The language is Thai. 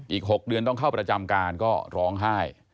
อีก๖เดือนต้องเข้าประจำการก็ร้องไห้